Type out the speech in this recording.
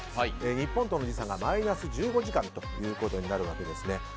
日本との時差がマイナス１５時間となるわけですね。